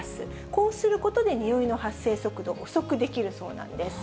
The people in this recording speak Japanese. こうすることでにおいの発生速度を遅くできるそうなんです。